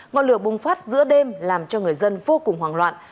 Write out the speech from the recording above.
ngọn lửa bùng phát giữa đêm làm cho người dân vô cùng hoảng loạn